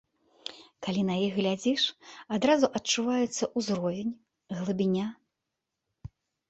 Калі на іх глядзіш, адразу адчуваецца ўзровень, глыбіня.